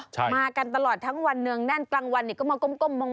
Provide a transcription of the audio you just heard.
ใช่มากันตลอดทั้งวันเนื่องแน่นกลางวันก็มาก้มมอง